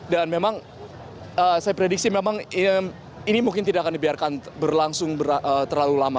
dan memang saya prediksi memang ini mungkin tidak akan dibiarkan berlangsung terlalu lama